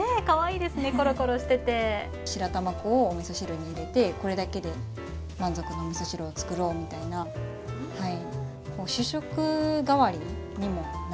白玉粉をおみそ汁に入れて、これだけで満足なおみそ汁を作ろうみたいな。